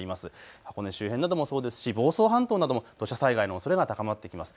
箱根周辺などもそうですし、房総半島なども土砂災害のおそれが高まってきます。